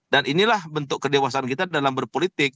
dan inilah bentuk kedewasan kita dalam berpolitik